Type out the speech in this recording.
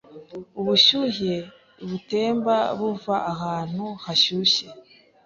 Ubushyuhe butemba buva ahantu hashyushye